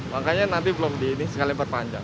makanya nanti belum di ini sekali berpanjang